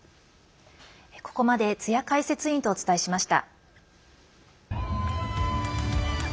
ここまで津屋解説委員とお伝えしました。